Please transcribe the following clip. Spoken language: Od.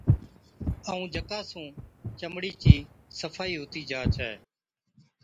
ائُون جڪا سُون چمڙِي چِي صفائِي هُتِي جا ڇَي۔